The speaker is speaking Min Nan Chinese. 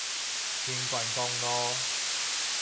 橫貫公路